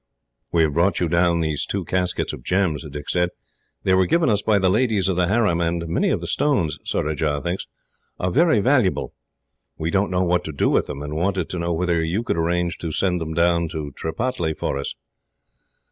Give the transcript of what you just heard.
"We have brought you down these two caskets of gems," Dick said. "They were given us by the ladies of the harem, and many of the stones, Surajah thinks, are very valuable. We don't know what to do with them, and wanted to know whether you could arrange to send them down to Tripataly for us."